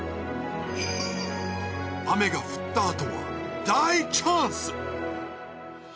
雨が降ったあとは大チャンス！